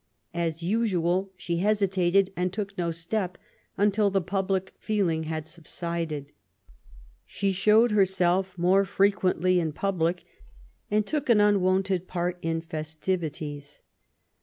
As usual she hesitated and took no step until the public feeling had subsided. She showed herself more frequently in public, and took an unwonted part in festivities.